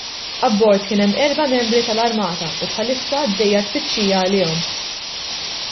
Abbord kien hemm erba' membri tal-Armata u bħalissa għaddejja tfittxija għalihom.